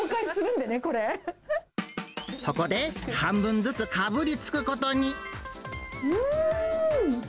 そこで、半分ずつかぶりつくうーん！